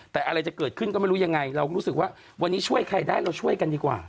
แต่อะไรจะเกิดขึ้นก็ไม่รู้ยังไงเรารู้สึกว่าวันนี้ช่วยใครได้เราช่วยกันดีกว่า